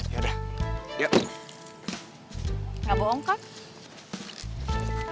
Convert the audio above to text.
variosan kok saya udah nyobain semata mata